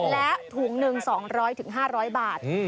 และถุงหนึ่ง๒๐๐๕๐๐บาท